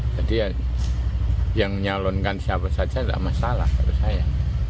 jadi yang menyalonkan siapa saja tidak masalah kalau saya